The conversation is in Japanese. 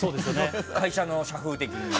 会社の社風的に。